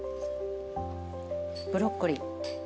ブロッコリー。